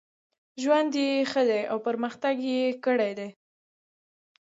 ژوند یې ښه دی او پرمختګ یې کړی دی.